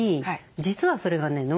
実はそれがね